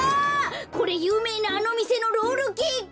これゆうめいなあのみせのロールケーキ！